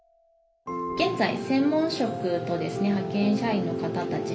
現在専門職と派遣社員の方たちに。